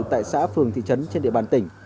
tại xã phường thị trấn trên địa bàn tỉnh